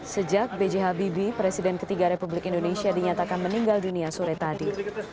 sejak b j habibie presiden ketiga republik indonesia dinyatakan meninggal dunia sore tadi